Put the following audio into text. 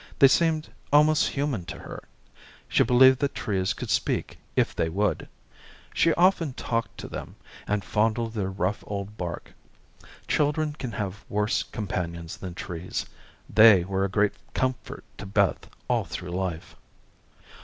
They seemed almost human to her. She believed that trees could speak if they would. She often talked to them, and fondled their rough old bark. Children can have worse companions than trees. They were a great comfort to Beth all through life.